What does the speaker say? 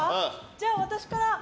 じゃあ私から！